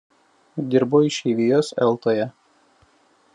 Dirbo išeivijos Eltoje.